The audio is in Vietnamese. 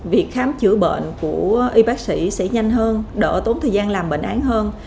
việc khám chữa bệnh của y bác sĩ sẽ nhanh hơn đỡ tốn thời gian làm bệnh án hơn